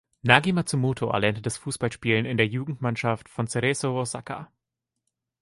Nagi Matsumoto erlernte das Fußballspielen in der Jugendmannschaft von Cerezo Osaka.